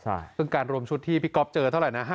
ใช่คือการรวมชุดที่บ๊อกเกอร์บเจอเท่าไรนะ